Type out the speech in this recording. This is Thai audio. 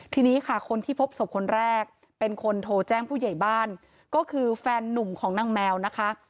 ทีนี้ค่ะคนที่พบศพคนแรกเป็นคนโทรแจ้งผู้ใหญ่บ้านก็คือแฟนนุ่มของนางแมวนะคะ